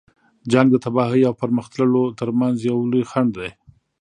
جنګ د تباهۍ او پرمخ تللو تر منځ یو لوی خنډ دی.